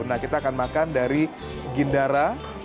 nah kita akan makan dari gindara